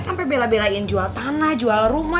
sampai bela belain jual tanah jual rumah